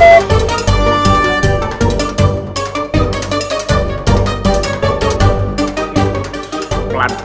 sampai ketemu di video selanjutnya